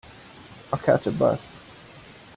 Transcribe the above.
I'll catch a bus.